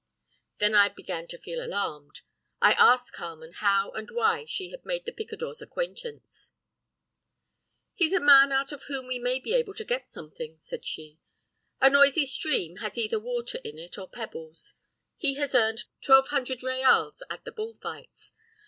Then I began to feel alarmed. I asked Carmen how and why she had made the picador's acquaintance. "'He's a man out of whom we may be able to get something,' said she. 'A noisy stream has either water in it or pebbles. He has earned twelve hundred reals at the bull fights.